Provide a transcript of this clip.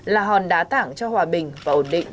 là hòn đá tảng cho hòa bình và ổn định